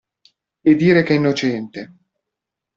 E dire che è innocente!